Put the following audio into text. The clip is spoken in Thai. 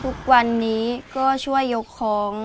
ทุกวันนี้ก็ช่วยยกของ